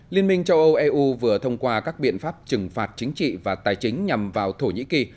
liên minh châu âu eu vừa thông qua các biện pháp trừng phạt chính trị và tài chính nhằm vào thổ nhĩ kỳ